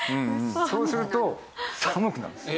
そうすると寒くなるんです。